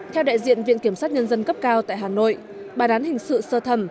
theo đại diện viện kiểm sát nhân dân cấp cao tại hà nội bà đán hình sự sơ thẩm